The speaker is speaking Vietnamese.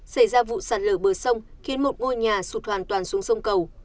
xảy ra vụ sạt lở bờ sông khiến một ngôi nhà sụt hoàn toàn xuống sông cầu